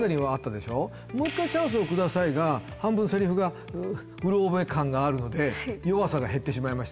「もう一回チャンスを下さい」が半分セリフがうろ覚え感があるので弱さが減ってしまいましたね